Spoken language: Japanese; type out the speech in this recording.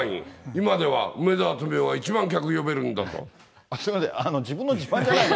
今では梅沢富美男が一番客呼べるすみません、自分の自慢じゃない。